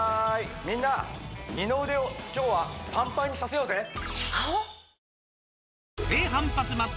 みんな二の腕を今日はパンパンにさせようぜ